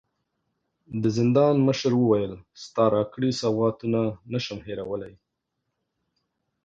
د زندان مشر وويل: ستا راکړي سوغاتونه نه شم هېرولی.